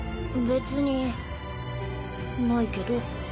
別にないけど。